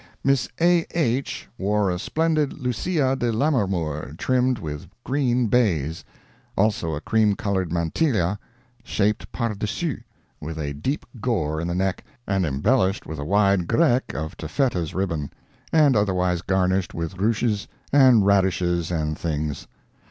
Miss A. H. wore a splendid Lucia de Lammermoor, trimmed with green baize: also, a cream colored mantilla shaped pardessus, with a deep gore in the neck, and embellished with a wide greque of taffetas ribbon, and otherwise garnished with ruches, and radishes and things.